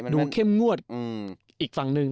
ดูเข้มงวดอีกฝั่งนึง